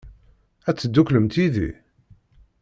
Ad tedduklemt yid-i?